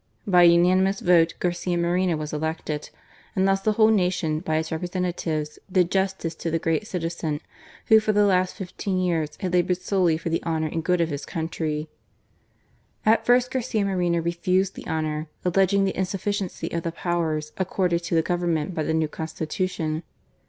By a unanimous vote Garcia Moreno was elected ; and thus the whole nation by its representatives did justice to the great citizen, who for the last fifteen years had laboured solely for the honour and good of his country. At first Garcia Moreno refused the honour, alleging the insufficiency of the powers accorded to the Government by the new Constitution.